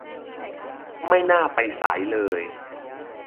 ไม่น่าไปสายเลย